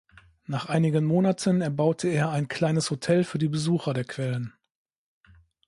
Nach einigen Monaten erbaute er ein kleines Hotel für die Besucher der Quellen.